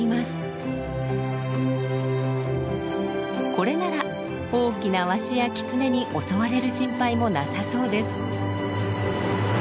これなら大きなワシやキツネに襲われる心配もなさそうです。